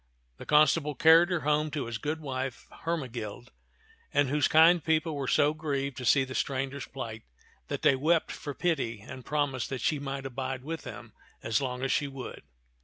The constable carried her home to his good wife Hermegild ; and those kind people were so grieved to see the stranger's plight that they wept for pity and promised that she might abide with them as long as she would.